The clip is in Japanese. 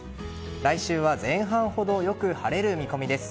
来週は前半ほどよく晴れる見込みです。